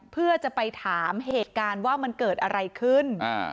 เพื่อจะไปถามเหตุการณ์ว่ามันเกิดอะไรขึ้น